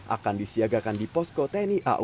akan disiagakan di posko tni au